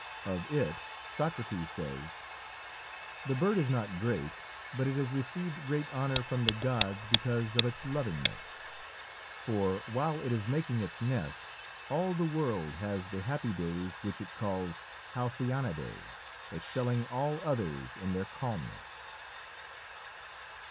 Of it Socrates says: "The bird is not great, but it has received great honour from the gods because of its lovingness; for while it is making its nest, all the world has the happy days which it calls halcyonidæ, excelling all others in their calmness."